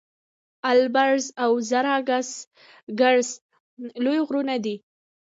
البرز او زاگرس لوی غرونه دي.